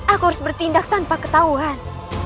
aku harus bertindak tanpa ketahuan